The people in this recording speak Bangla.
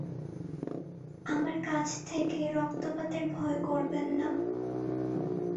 আমার কাছ থেকে রক্তপাতের ভয় করবেন না।